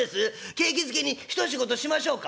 景気づけに一仕事しましょうか」。